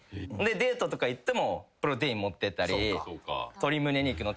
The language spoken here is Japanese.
デートとか行ってもプロテイン持っていったり。